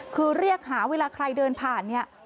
คือเรียกหาเวลาใครเดินผ่านเนี่ย